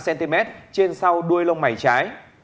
đối tượng này có sẹo đuôi lông mày trái